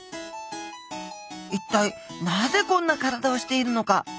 一体なぜこんな体をしているのか？